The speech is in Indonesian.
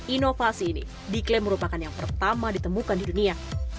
inovasi ini diklaim merupakan yang pertama ditemukan di dunia